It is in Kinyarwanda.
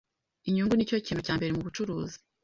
Inyungu nicyo kintu cyambere mubucuruzi